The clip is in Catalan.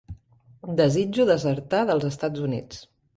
Desitjo desertar dels Estats Units.